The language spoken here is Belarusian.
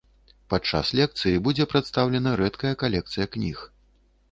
Падчас лекцыі будзе прадстаўлена рэдкая калекцыя кніг.